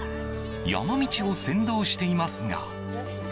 山道を先導していますが。